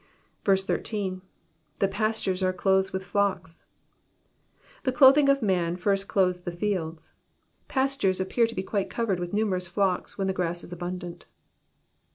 13. ^* The pastures are clothed with Jheks.'" The clothing of man first clothes the fields, rastures appear to be quite covered with numerous flocks when the grass is abundant.